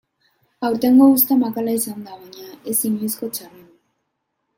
Aurtengo uzta makala izan da baina ez inoizko txarrena.